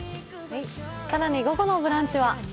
更に午後の「ブランチ」は？